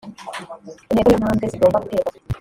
intego n’intambwe zigomba guterwa